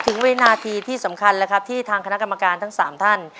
วินาทีที่สำคัญแล้วครับที่ทางคณะกรรมการทั้ง๓ท่าน